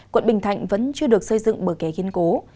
quận bình thạnh vẫn chưa được xây dựng bờ ké khiến cố